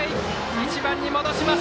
１番に戻します。